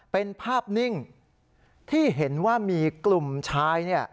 เป็นภาพนิ่งที่เห็นว่ามีกลุ่มชายเนี่ย